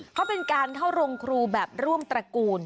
เขาเป็นการเข้าโรงครูแบบร่วมตระกูล